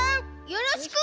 よろしく！